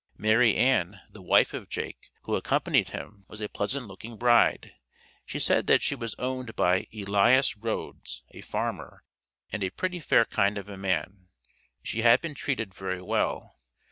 Mary Ann, the wife of Jake, who accompanied him, was a pleasant looking bride. She said that she was owned by "Elias Rhoads, a farmer, and a pretty fair kind of a man." She had been treated very well.